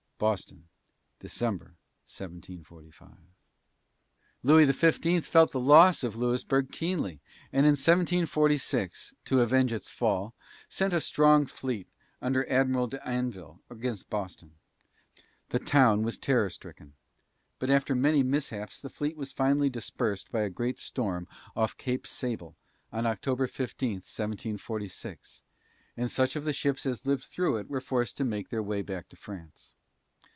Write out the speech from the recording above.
BOSTON, December, 1745. Louis XV felt the loss of Louisburg keenly, and in 1746, to avenge its fall, sent a strong fleet, under Admiral D'Anville, against Boston. The town was terror stricken; but after many mishaps the fleet was finally dispersed by a great storm off Cape Sable, on October 15, 1746, and such of the ships as lived through it were forced to make their way back to France.